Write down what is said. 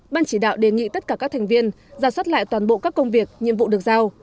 ban chỉ đạo đề nghị tất cả các thành viên giả soát lại toàn bộ các công việc nhiệm vụ được giao